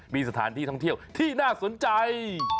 มีสถานที่ท่องเที่ยวที่น่าสนใจ